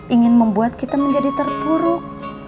ingin membuat kita menjadi terpuruk